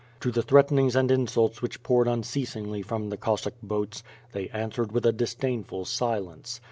To the threatenings and insults which poured un ceasingly from the Cossack boats, they answered with a dis dainful silence.